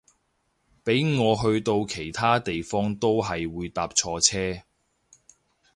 俾我去到其他地方都係會搭錯車